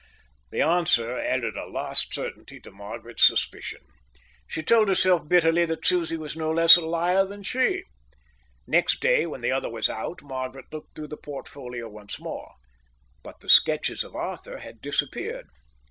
The answer added a last certainty to Margaret's suspicion. She told herself bitterly that Susie was no less a liar than she. Next day, when the other was out, Margaret looked through the portfolio once more, but the sketches of Arthur had disappeared.